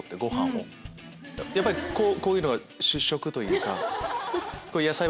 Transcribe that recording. やっぱりこういうのが主食というか。